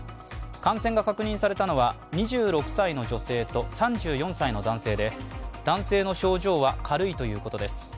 感染が確認されたのは２６歳の女性と３４歳の男性で男性の症状は軽いということです。